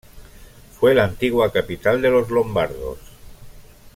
Fue la antigua capital de los lombardos.